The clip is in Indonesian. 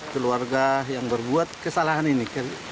keluarga yang berbuat kesalahan ini